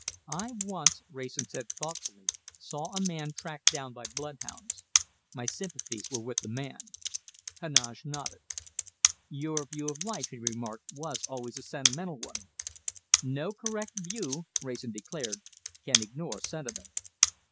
"I once," Wrayson said thoughtfully, "saw a man tracked down by bloodhounds. My sympathies were with the man." Heneage nodded. "Your view of life," he remarked, "was always a sentimental one." "No correct view," Wrayson declared, "can ignore sentiment."